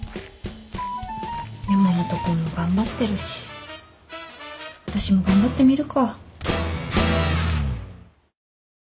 山本君も頑張ってるし私も頑張ってみるか。